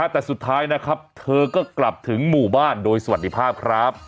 แต่สุดท้ายนะครับเธอก็กลับถึงหมู่บ้านโดยสวัสดีภาพครับ